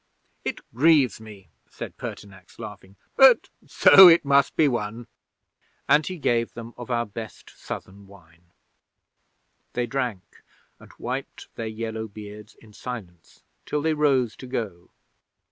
'"It grieves me," said Pertinax, laughing, "but so it must be won," and he gave them of our best Southern wine. 'They drank, and wiped their yellow beards in silence till they rose to go.